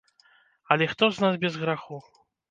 Але хто з нас без граху?